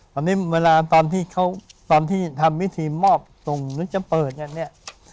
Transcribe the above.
ตอนนี้เวลาตอนที่ทำวิธีมอบตรงนึกจะเปิดอย่างนี้